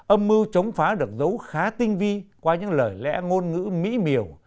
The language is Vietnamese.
âm mưu chống phá được giấu khá tinh vi qua những lời lẽ ngôn ngữ mỹ miều